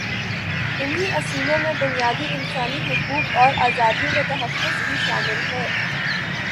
انہی اصولوں میں بنیادی انسانی حقوق اور آزادیوں کا تحفظ بھی شامل ہے۔